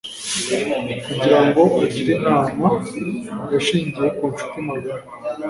Kugira ngo agire inama, yashingiye ku nshuti magara.